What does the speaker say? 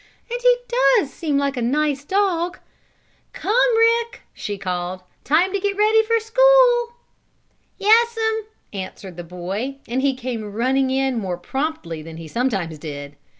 "And he does seem like a nice dog. Come, Rick!" she called. "Time to get ready for school!" "Yes'm!" answered the boy, and he came running in more promptly than he sometimes did.